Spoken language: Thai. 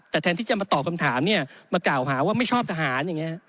แต่แทนที่จะมาตอบคำถามเนี่ยมากล่าวหาว่าไม่ชอบทหารอย่างนี้